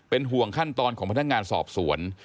ห่วงขั้นตอนของพนักงานสอบสวน